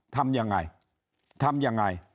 ทำอย่างไรทำอย่างไร